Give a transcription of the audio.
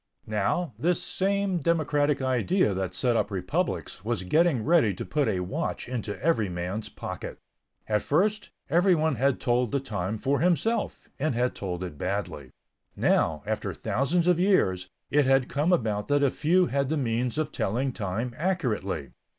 Now, this same democratic idea that set up republics was getting ready to put a watch into every man's pocket. At first, everyone had told the time for himself, and had told it badly. Now, after thousands of years, it had come about that a few had the means of telling time accurately.